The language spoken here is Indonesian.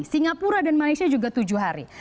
singapura dan malaysia juga tujuh hari